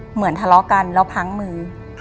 เหมือนทะเลาะกันแล้วพังมือ